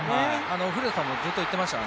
古田さんもずっと言ってました。